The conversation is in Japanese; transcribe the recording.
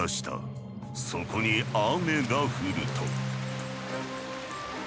そこに雨が降ると。